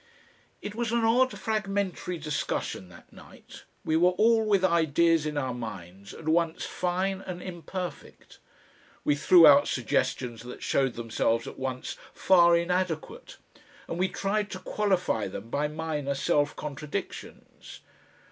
It was an odd, fragmentary discussion that night. We were all with ideas in our minds at once fine and imperfect. We threw out suggestions that showed themselves at once far inadequate, and we tried to qualify them by minor self contradictions.